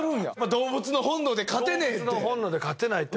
動物の本能で勝てないって。